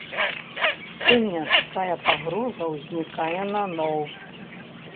Сёння такая пагроза ўзнікае наноў.